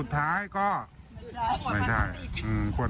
มันก็เหมือน